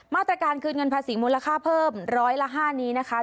มาตรการคืนเงินภาษีมูลค่าเพิ่มร้อยละ๕นี้นะคะ